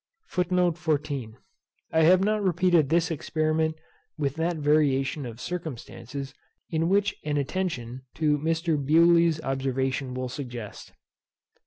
I have not repeated this experiment with that variation of circumstances which an attention to Mr. Bewley's observation will suggest.